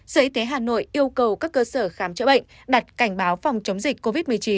sở y tế hà nội yêu cầu các cơ sở khám chữa bệnh đặt cảnh báo phòng chống dịch covid một mươi chín